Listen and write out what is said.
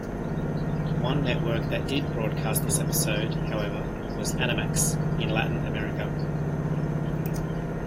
One network that did broadcast this episode, however, was Animax in Latin America.